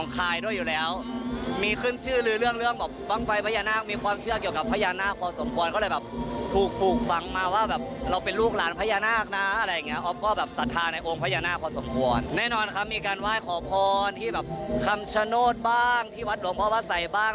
คำชะโน้ตบ้างที่วัดหนุ่มอ๊อฟภาษาใส่บ้าง